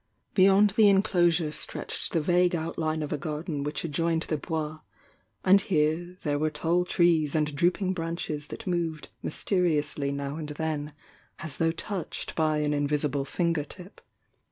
Beyond the enclosure stretched the vague outline of a garden which adjoined the Bois, and here there were tall trees and drooping branches that moved mysteriously now and then, as though touched by an invisible finger tip.